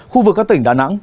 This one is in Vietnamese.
khu vực các tỉnh đà nẵng